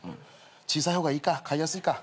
小さい方がいいか飼いやすいか。